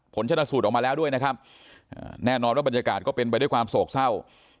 ผลชนะสูตรออกมาแล้วด้วยนะครับแน่นอนว่าบรรยากาศก็เป็นไปด้วยความโศกเศร้า